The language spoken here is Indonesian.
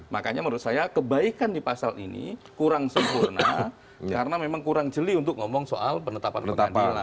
makanya menurut saya kebaikan di pasal ini kurang sempurna karena memang kurang jeli untuk ngomong soal penetapan pengadilan